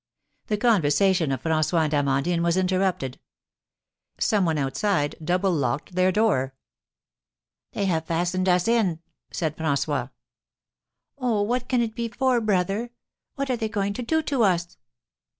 The conversation of François and Amandine was interrupted. Some one outside double locked their door. "They have fastened us in," said François. "Oh, what can it be for, brother? What are they going to do to us?"